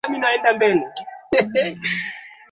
mwanzo wa madhehebu mengine yanayoitwa ya Kiinjili Jina